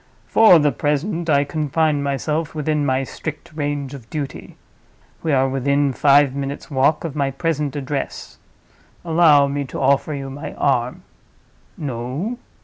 For the present, I confine myself within my strict range of duty. We are within five minutes' walk of my present address. Allow me to offer you my arm. No?